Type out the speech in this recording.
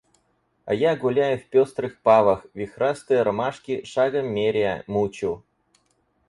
А я гуляю в пестрых павах, вихрастые ромашки, шагом меряя, мучу.